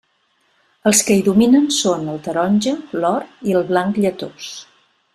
Els que hi dominen són el taronja, l'or i el blanc lletós.